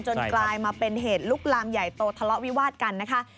กลายมาเป็นเหตุลุกลามใหญ่โตทะเลาะวิวาดกันนะคะ